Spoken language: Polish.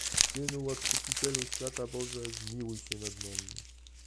"Synu Odkupicielu świata Boże, zmiłuj się nad nami!..."